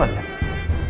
sebenarnya aku tahu